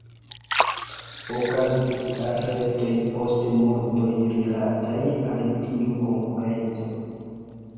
Okazis arestoj post murdoj rilataj al tiu konkurenco.